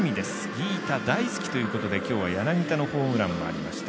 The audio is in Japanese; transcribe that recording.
ギータ大好き！！ということで今日は柳田のホームランはありました。